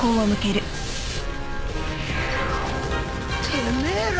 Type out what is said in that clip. てめえら！